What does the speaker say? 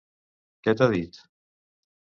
Què t'ha dit?